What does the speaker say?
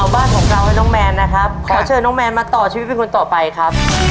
บ้านของเราค่ะ